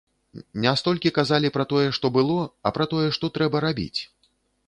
Не столькі казалі пра тое, што было, а пра тое, што трэба рабіць.